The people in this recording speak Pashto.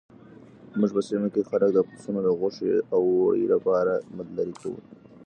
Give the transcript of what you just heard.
زموږ په سیمه کې خلک د پسونو د غوښې او وړۍ لپاره مالداري کوي.